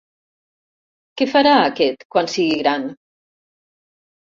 Què farà, aquest, quan sigui gran?